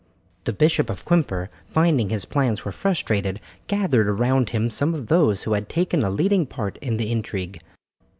The Bishop of Quimper, finding that his plans were frustrated, gathered around him some of those who had taken a leading part in the intrigue.